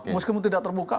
meskipun tidak terbuka